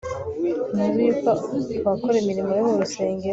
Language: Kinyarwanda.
ntimuzi yuko abakora imirimo yo mu rusengero